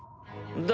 だ